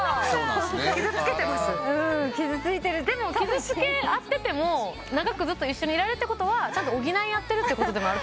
でも傷つけ合ってても長くずっと一緒にいられるってことはちゃんと補い合ってるってことでもあると思います。